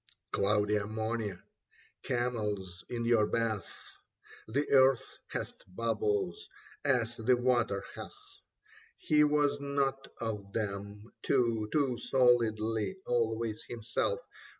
Cloudy ammonia, camels in your bath : The earth hath bubbles as the water hath : He was not of them, too, too solidly Always himself.